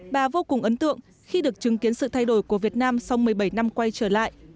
bà vô cùng ấn tượng khi được chứng kiến sự thay đổi của việt nam sau một mươi bảy năm quay trở lại